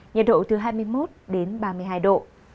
nhiệt độ từ hai mươi một đến ba mươi hai độ